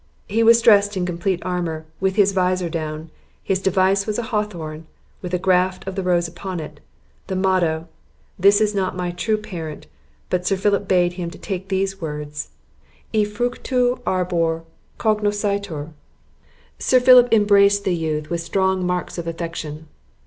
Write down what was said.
He was dressed in complete armour, with his visor down; his device was a hawthorn, with a graft of the rose upon it, the motto This is not my true parent; but Sir Philip bade him take these words E fructu arbor cognoscitur. Sir Philip embraced the youth with strong marks of affection.